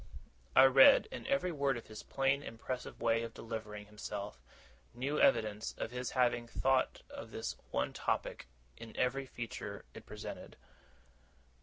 I read, in every word of his plain impressive way of delivering himself, new evidence of his having thought of this one topic, in every feature it presented.